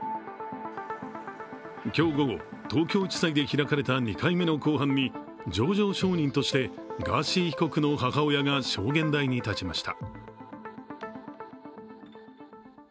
今日午後、東京地裁で開かれた２回目の公判に情状証人としてガーシー被告の母親が証言台に立ちました。